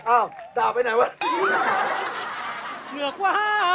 อ้าวด่าไปไหนวะ